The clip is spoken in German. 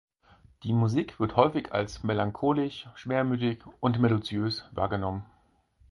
Die Musik wird häufig als melancholisch, schwermütig und melodiös wahrgenommen.